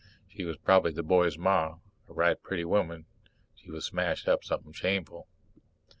She was probably the baby's Ma; a right pretty woman she was but smashed up something shameful.